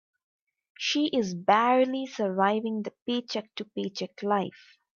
She is barely surviving the paycheck to paycheck life.